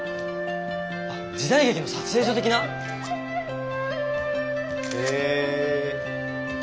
あっ時代劇の撮影所的な？へえ。